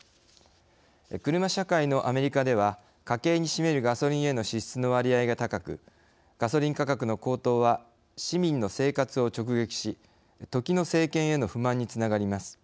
車社会のアメリカでは家計に占めるガソリンへの支出の割合が高くガソリン価格の高騰は市民の生活を直撃し時の政権への不満につながります。